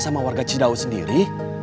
sama warga cidau sendiri